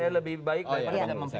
lebih baik daripada mempecat